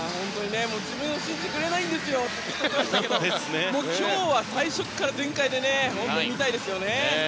自分を信じてくれないんですよと言ってたんですけど今日は最初から全開の姿を見たいですよね。